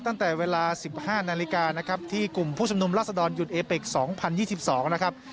ตั้งแต่เวลาสิบห้านาฬิกานะครับที่กลุ่มผู้ชมนุมลักษณ์ดอนหยุดเอเป็กส์สองพันยี่สิบสองนะครับ